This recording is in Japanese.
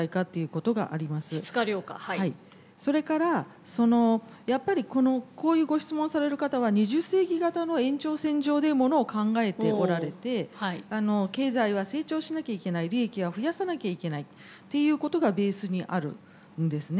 それからそのやっぱりこういうご質問される方は２０世紀型の延長線上でものを考えておられて経済は成長しなきゃいけない利益は増やさなきゃいけないっていうことがベースにあるんですね。